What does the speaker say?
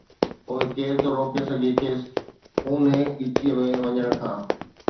پوءِ ڪير ٿو روڪي سگهي کيس اونهي ڳچي ۾ وڃڻ کان.